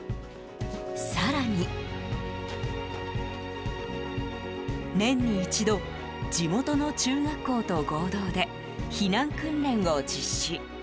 更に、年に一度地元の中学校と合同で避難訓練を実施。